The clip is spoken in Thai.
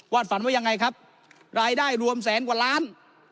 ฝันว่ายังไงครับรายได้รวมแสนกว่าล้าน